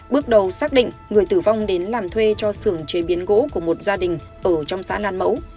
bước đầu xác định người tử vong đến làm thuê cho sưởng chế biến gỗ của một gia đình ở trong xã nan mẫu